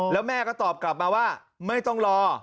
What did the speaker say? แล้วแม่ก็ตอบกลับมาว่าไม่ต้องรอ